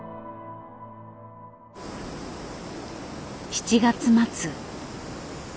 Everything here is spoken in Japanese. ７月末。